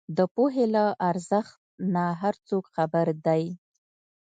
د پوهې له ارزښت نۀ هر څوک خبر دی